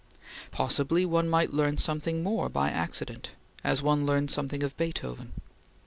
Possibly one might learn something more by accident, as one had learned something of Beethoven.